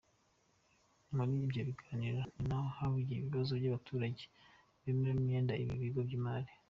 Muri ibyo biganiro ni naho havugiwe ikibazo cy’abaturage babereyemo imyenda ibigo by’imari.